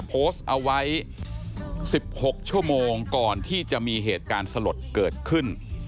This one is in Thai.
โพสต์เอาไว้๑๖ชั่วโมงก่อนที่จะมีเหตุการณ์สลดเกิดขึ้น